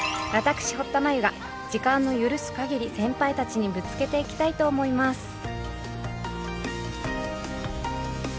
私堀田真由が時間の許す限り先輩たちにぶつけていきたいと思います。